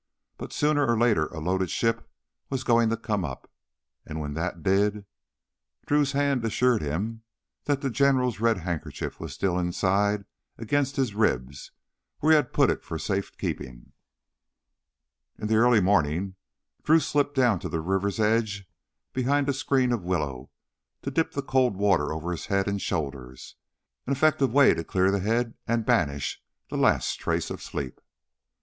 But sooner or later a loaded ship was going to come up. And when that did Drew's hand assured him that the General's red handkerchief was still inside against his ribs where he had put it for safekeeping. In the early morning Drew slipped down to the river's edge behind a screen of willow to dip the cold water over his head and shoulders an effective way to clear the head and banish the last trace of sleep.